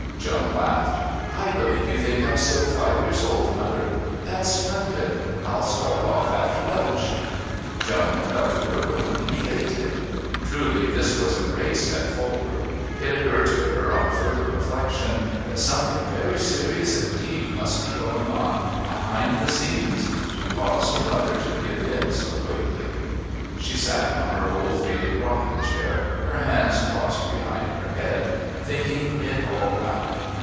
Joan laughed. "I believe you think I'm still five years old, mother. That's splendid. I'll start off after lunch." Joan went up to her room, elated. Truly, this was a great step forward. It occurred to her on further reflection that something very serious indeed must be going on behind the scenes to cause her mother to give in so quickly. She sat on her old faded rocking chair, her hands crossed behind her head, thinking it all out.